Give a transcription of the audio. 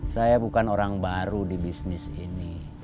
saya bukan orang baru di bisnis ini